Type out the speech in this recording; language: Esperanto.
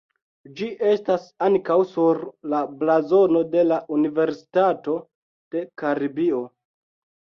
Ĝi estas ankaŭ sur la blazono de la Universitato de Karibio.